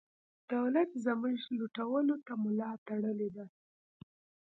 دولت زموږ لوټلو ته ملا تړلې ده.